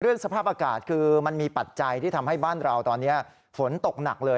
สภาพอากาศคือมันมีปัจจัยที่ทำให้บ้านเราตอนนี้ฝนตกหนักเลย